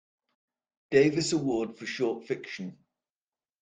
Davis Award for Short Fiction.